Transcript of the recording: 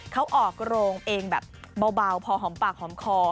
เขาออกโรงเองแบบเบาพอหอมปากหอมคอ